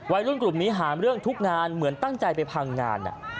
วัยรุ่นกลุ่มนี้หาเรื่องทุกงานเหมือนตั้งใจไปพังงาน